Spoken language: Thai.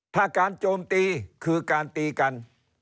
ถ้าการโจมตีคือการตีกัน